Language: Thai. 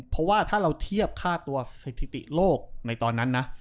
เพราะว่าถ้าเราเทียบค่าตัวสถิติโลกในตอนนั้นนะ